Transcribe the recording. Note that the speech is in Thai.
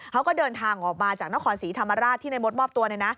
เขาก็เดินทางออกมาจากนครศรีธรรมราชที่ในมดมอบตัว